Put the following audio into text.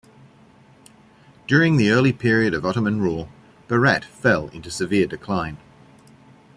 During the early period of Ottoman rule, Berat fell into severe decline.